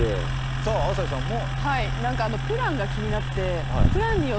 さぁ朝日さんも。